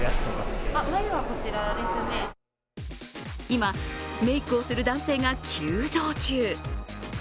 今、メークをする男性が急増中。